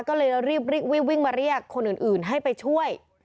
ก็เลยรีบวิ่งมาเรียกคนอื่นให้ไปช่วย